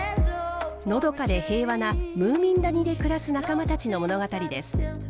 のどかで平和なムーミン谷で暮らす仲間たちの物語です。